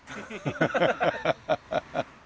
ハハハハッ。